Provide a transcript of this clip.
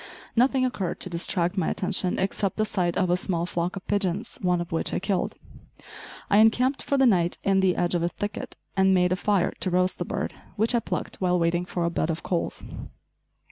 Nothing occurred to distract my attention, except the sight of a small flock of pigeons, one of which I killed. I encamped for the night in the edge of a thicket, and made a fire to roast the bird which I plucked while waiting for a bed of coals.